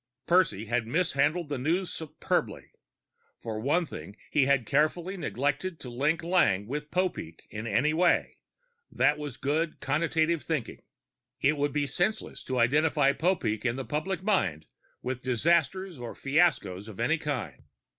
Percy had mishandled the news superbly. For one thing, he had carefully neglected to link Lang with Popeek in any way. That was good connotative thinking. It would be senseless to identify Popeek in the public mind with disasters or fiascos of any kind.